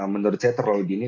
menurut saya terlalu dini